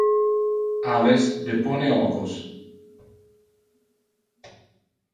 Aves depone ovos.